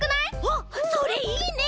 あっそれいいね！